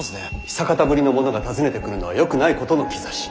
久方ぶりの者が訪ねてくるのはよくないことの兆し。